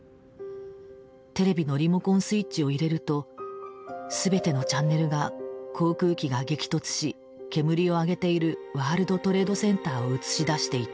テレビのリモコンスイッチを入れると全てのチャンネルが航空機が激突し煙を上げているワールド・トレード・センターをうつし出していた。